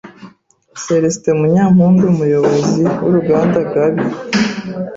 Célestin Munyampundu, umuyobozi w’uruganda Gabi,